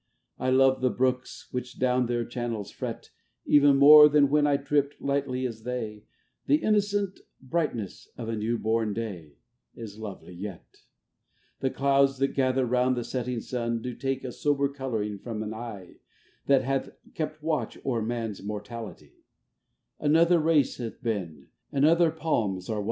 I love the Brooks which down their channels fret, Even more than when I tripped lightly as they ; The innocent brightness of a new born Day Is lovely yet ; The Clouds that gather round the setting sun Do take a sober colouring from an eye That hath kept watch o'er man's mortality ; Another race hath been, and other palms are won.